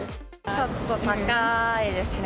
ちょっと高いですね。